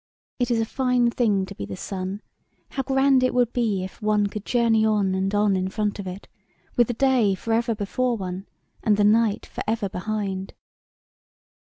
It is a fine thing to be the sun ; how grand it would be if one could journey on and on in front of it, with the day for ever before one and the night for ever behind!"